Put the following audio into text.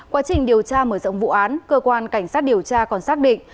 quá trình điều tra mở rộng vụ án cơ quan cảnh sát điều tra còn xác định